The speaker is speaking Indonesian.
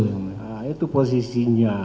nah itu posisinya